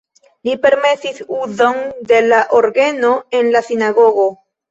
Li permesis uzon de la orgeno en la sinagogo.